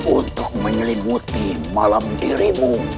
untuk menyelimuti malam dirimu